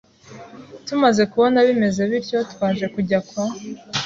Tumaze kubona bimeze bityo twaje kujya kwa